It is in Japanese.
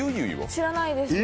知らないです。